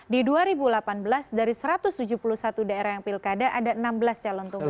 di dua ribu delapan belas dari satu ratus tujuh puluh satu daerah yang pilkada ada enam belas calon tunggal